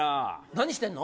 何してんの？